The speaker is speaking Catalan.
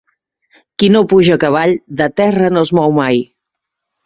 Qui no puja a cavall, de terra no es mou mai.